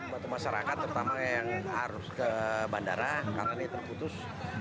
bantu masyarakat terutama yang harus ke bandara karena ini terputus